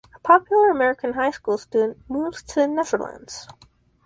A popular American high school student moves to the Netherlands.